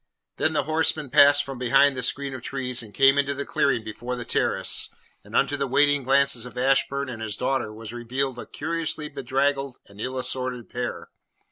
Then the horsemen passed from behind the screen of trees and came into the clearing before the terrace, and unto the waiting glances of Ashburn and his daughter was revealed a curiously bedraggled and ill assorted pair.